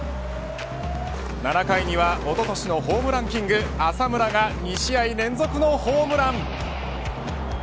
７回には、おととしのホームランキング浅村が２試合連続のホームラン。